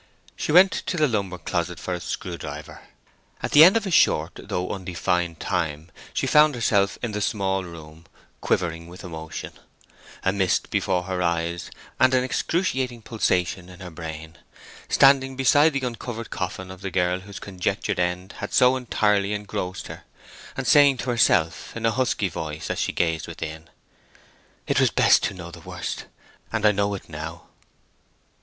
She went to the lumber closet for a screw driver. At the end of a short though undefined time she found herself in the small room, quivering with emotion, a mist before her eyes, and an excruciating pulsation in her brain, standing beside the uncovered coffin of the girl whose conjectured end had so entirely engrossed her, and saying to herself in a husky voice as she gazed within— "It was best to know the worst, and I know it now!"